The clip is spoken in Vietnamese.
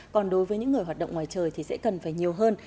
còn đối với những người hoạt động ngoài trời thì sẽ cần phải nhiều hơn